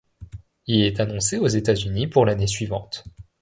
Il est annoncé aux États-Unis pour l'année suivante.